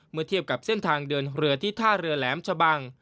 เมื่อเทียบกับเส้นทางเดินเรือที่ท่าเรือแหลมชะบัง